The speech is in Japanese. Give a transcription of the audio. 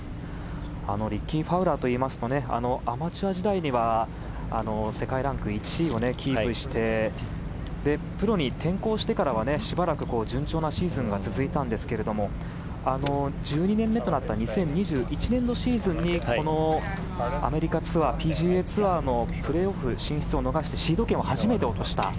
リッキー・ファウラーといいますとアマチュア時代には世界ランク１位をキープしてプロに転向してからはしばらく順調なシーズンが続いたんですが１２年目となった２０２１年度シーズンにこのアメリカツアーＰＧＡツアーのプレーオフ進出を逃してシード権を初めて落とした。